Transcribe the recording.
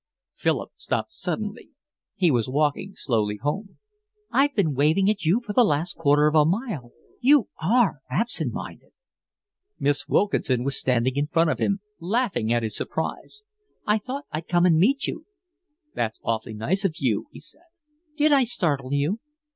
Philip stopped suddenly. He was walking slowly home. "I've been waving at you for the last quarter of a mile. You ARE absent minded." Miss Wilkinson was standing in front of him, laughing at his surprise. "I thought I'd come and meet you." "That's awfully nice of you," he said. "Did I startle you?"